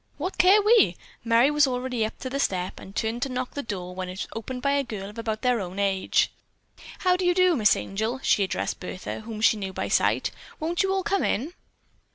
"What care we?" Merry was already up on the step and turned to knock on the door, when it was opened by a girl of about their own age. "How do you do, Miss Angel," she addressed Bertha, whom she knew by sight. "Won't you all come in?"